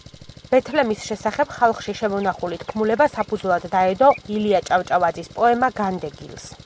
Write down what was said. ბეთლემის შესახებ ხალხში შემონახული თქმულება საფუძვლად დაედო ილია ჭავჭავაძის პოემა „განდეგილს“.